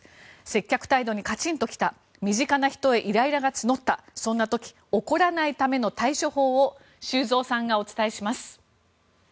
接客態度にカチンときた身近な人へイライラが募ったそんな時怒らないための対処法を修造さんがお伝えします。